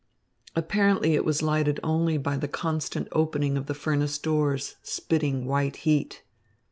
Apparently it was lighted only by the constant opening of the furnace doors, spitting white heat.